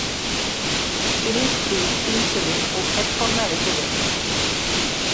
তিনি স্ত্রী, তিন ছেলে ও এক কন্যা রেখে গেছেন।